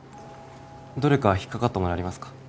どれか引っ掛かったものありますか？